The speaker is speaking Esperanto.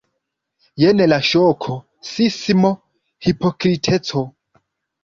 Jen la ŝoko, sismo, hipokriteco.